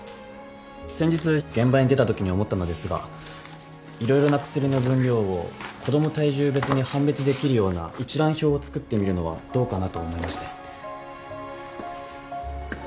先日現場に出たときに思ったのですが色々な薬の分量を子供体重別に判別できるような一覧表を作ってみるのはどうかなと思いまして。